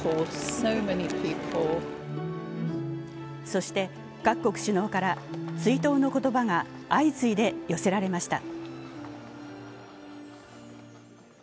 そして各国首脳から追悼の言葉が相次いで寄せられました。